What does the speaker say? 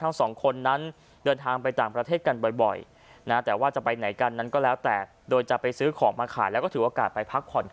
โปรดติดตามตอนต่อไป